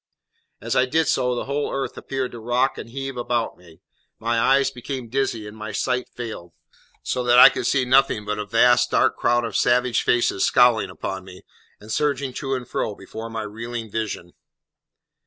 As I did so, the whole earth appeared to rock and heave about me; my eyes became dizzy and my sight failed, so that I could see nothing but a vast dark crowd of savage faces scowling upon me, and surging to and fro before my reeling vision.